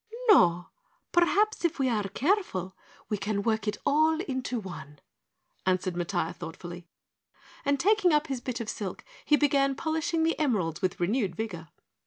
"No, perhaps if we are careful we can work it all into one," answered Matiah thoughtfully, and taking up his bit of silk he began polishing the emeralds with renewed vigor.